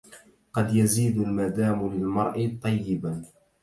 قد يزيد المدام للمرء طيبا